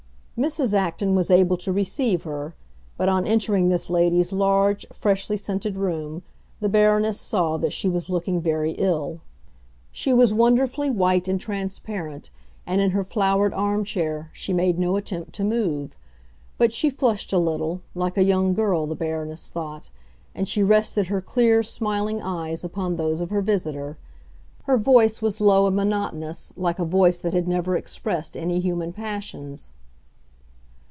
Mrs. Acton was able to receive her; but on entering this lady's large, freshly scented room the Baroness saw that she was looking very ill. She was wonderfully white and transparent, and, in her flowered arm chair, she made no attempt to move. But she flushed a little—like a young girl, the Baroness thought—and she rested her clear, smiling eyes upon those of her visitor. Her voice was low and monotonous, like a voice that had never expressed any human passions.